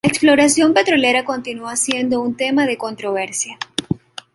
La exploración petrolera continúa siendo un tema de controversia.